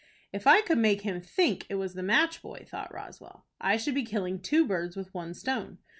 "If I could make him think it was the match boy," thought Roswell, "I should be killing two birds with one stone.